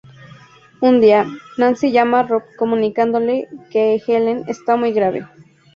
Un día, Nancy llama a Rob comunicándole que Helen está muy grave.